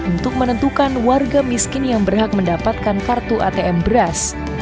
untuk menentukan warga miskin yang berhak mendapatkan kartu atm beras